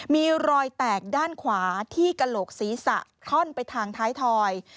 มีรอยแตกด้านขวาที่กระโหลกศีรษะคล่อนไปทางท้ายถอย